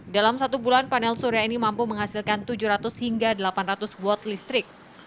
dalam satu bulan panel surya ini mampu menghasilkan tujuh ratus hingga delapan ratus watt listrik